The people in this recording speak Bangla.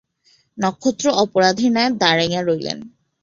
নক্ষত্র অপরাধীর ন্যায় দাঁড়াইয়া রহিলেন।